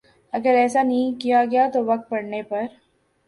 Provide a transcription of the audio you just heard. اگر ایسا نہیں کیا گیا تو وقت پڑنے پر